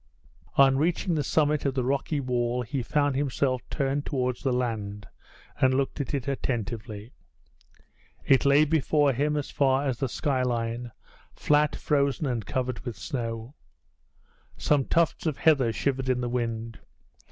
On reaching the summit of the rocky wall he found himself turned towards the land, and looked at it attentively. It lay before him as far as the sky line, flat, frozen, and covered with snow. Some tufts of heather shivered in the wind.